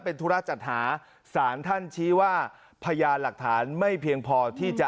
เป็นธุระจัดหาสารท่านชี้ว่าพยานหลักฐานไม่เพียงพอที่จะ